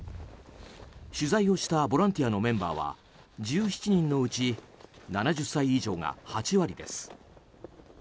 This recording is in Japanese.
取材をしたボランティアのメンバーは１７人のうち７０歳以上が８割です。